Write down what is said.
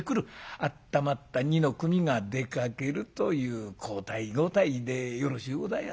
あったまった二の組が出かけるという交代交代でよろしゅうございますか？